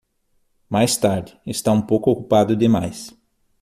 Mais tarde, está um pouco ocupado demais.